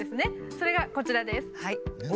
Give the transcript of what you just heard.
それがこちらです。